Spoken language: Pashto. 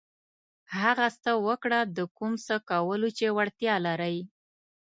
هغه څه وکړه د کوم څه کولو چې وړتیا لرئ.